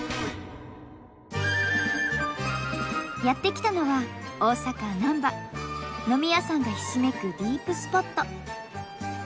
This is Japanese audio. やって来たのは飲み屋さんがひしめくディープスポット。